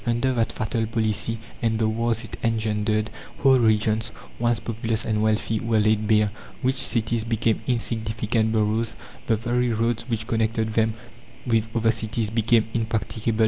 Under that fatal policy and the wars it engendered, whole regions, once populous and wealthy, were laid bare; rich cities became insignificant boroughs; the very roads which connected them with other cities became impracticable.